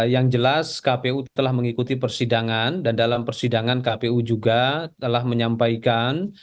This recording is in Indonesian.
yang jelas kpu telah mengikuti persidangan dan dalam persidangan kpu juga telah menyampaikan